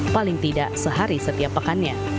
paling tidak sehari setiap pekannya